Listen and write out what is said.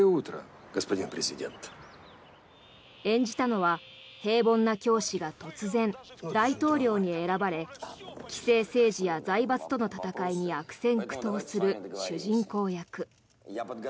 演じたのは平凡な教師が突然大統領に選ばれ既成政治や財閥との戦いに悪戦苦闘する主人公役。